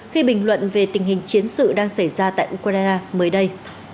khi bình luận về tình hình chiến sự đang xảy ra tại ukraine mới đây